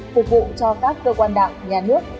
phục vụ cho các cơ quan đảng nhà nước